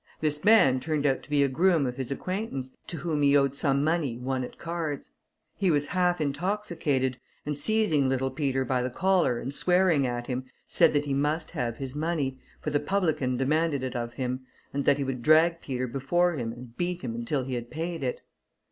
This man turned out to be a groom of his acquaintance, to whom he owed some money, won at cards. He was half intoxicated, and seizing little Peter by the collar, and swearing at him, said that he must have his money, for the publican demanded it of him, and that he would drag Peter before him and beat him until he had paid it.